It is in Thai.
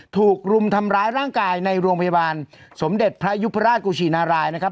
ถูกรุมทำร้ายร่างกายในโรงพยาบาลสมเด็จพระยุพราชกุชินารายนะครับ